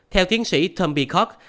theo tiến sĩ thumbicon